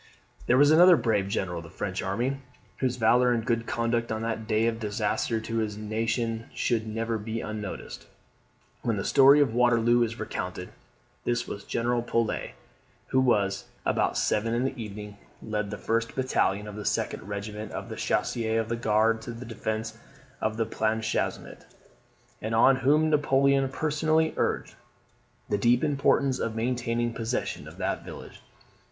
There was another brave general of the French army, whose valour and good conduct on that day of disaster to his nation should never be unnoticed when the story of Waterloo is recounted. This was General Polet, who, about seven in the evening, led the first battalion of the 2d regiment of the Chasseurs of the Guard to the defence of Planchenoit; and on whom Napoleon personally urged the deep importance of maintaining possession of that village.